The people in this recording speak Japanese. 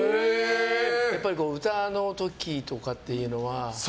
やっぱり歌の時とかっていうのは。